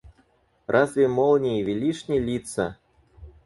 Разве молнии велишь не литься?